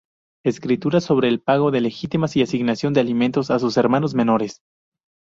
Escrituras sobre el pago de legítimas y asignación de alimentos a sus hermanos menores.